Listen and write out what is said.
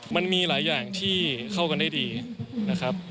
มันมีหลายอย่างที่เข้ากันได้ดีนะครับ